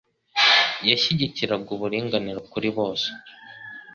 Yashyigikiraga uburinganire kuri bose.